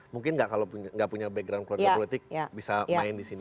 mungkin gak kalau punya gak punya background keluarga politik bisa main di sini